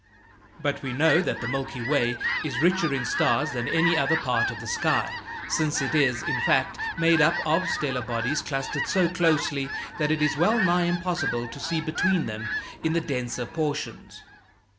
But we know that the Milky Way is richer in stars than any other part of the sky, since it is, in fact, made up of stellar bodies clustered so closely that it is wellnigh impossible to see between them in the denser portions.